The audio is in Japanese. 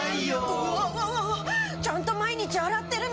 うわわわわちゃんと毎日洗ってるのに。